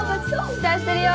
期待してるよ。